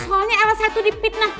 soalnya elsa itu dipitnah